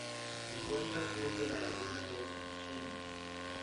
Se encuentra al sur de la laguna de Szczecin.